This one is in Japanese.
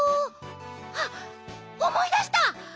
あっおもいだした！